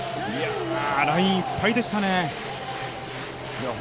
ラインいっぱいでしたね。